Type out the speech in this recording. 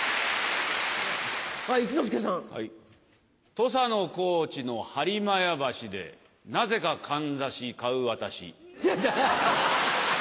土佐の高知のはりまや橋でなぜかかんざし買う私。